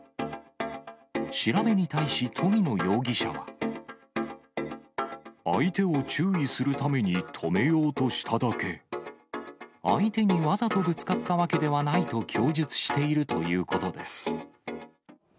調べに対し、相手を注意するために止めよ相手にわざとぶつかったわけではないと、供述しているということです。